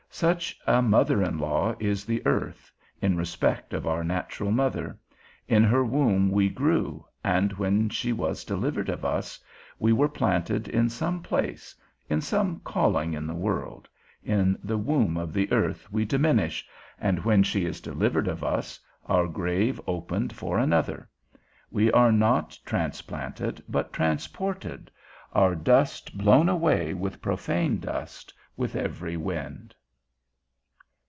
Such a mother in law is the earth, in respect of our natural mother; in her womb we grew, and when she was delivered of us, we were planted in some place, in some calling in the world; in the womb of the earth we diminish, and when she is delivered of us, our grave opened for another; we are not transplanted, but transported, our dust blown away with profane dust, with every wind.